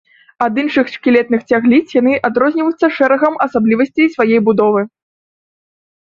Ад іншых шкілетных цягліц яны адрозніваюцца шэрагам асаблівасцей сваёй будовы.